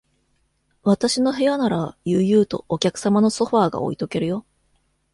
私の部屋なら、悠々とお客用のソファーが置いとけるよ。